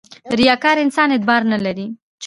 • ریاکار انسان اعتبار نه لري.